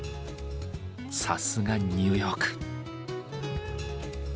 さすがニューヨーク。